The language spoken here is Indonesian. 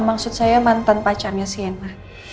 maksud saya mantan pacarnya sienna